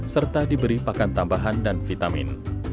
serta diberi pakan tambahan dan vitamin